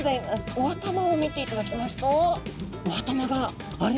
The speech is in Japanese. お頭を見ていただきますとお頭があれ？